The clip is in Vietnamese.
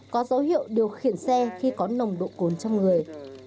có dấu hiệu điều khiển xe khi có nồng độ cồn trong người